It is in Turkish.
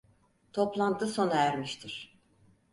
Toplantı sona ermiştir.